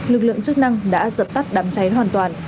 lực lượng chức năng đã dập tắt đám cháy hoàn toàn